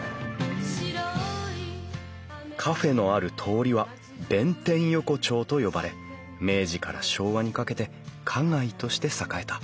カフェのある通りは弁天横丁と呼ばれ明治から昭和にかけて花街として栄えた。